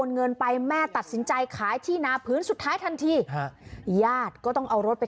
เงินไปแม่ตัดสินใจขายที่นาพื้นสุดท้ายทันทีฮะญาติก็ต้องเอารถไป